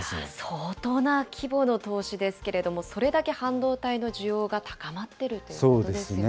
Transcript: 相当な規模の投資ですけれども、それだけ半導体の需要が高まっているということですよね。